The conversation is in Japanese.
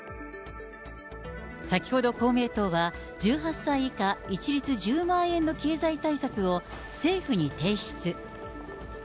先ほど公明党は、１８歳以下一律１０万円の経済対策を、政府に提出。